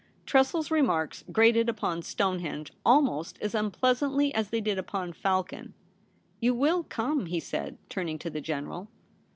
Tressel's remarks grated upon Stonehenge almost as unpleasantly as they did upon Falcon. ' You will come ?' he said, turning to the General.